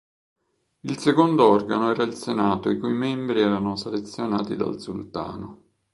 Il secondo organo era il Senato i cui membri erano selezionati dal Sultano.